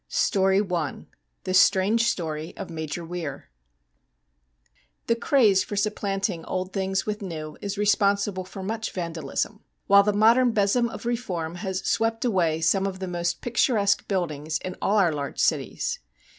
.. .306 I THE STRANGE STORY OF MAJOR WEIR The craze for supplanting old things with new is responsible for much Vandalism ; while the modern besom of reform has swept away some of the most picturesque buildings in all our large cities.